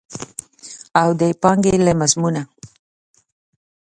او د پانګې له مضمونه.